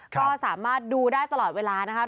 ก็สามารถดูได้ตลอดเวลานะครับ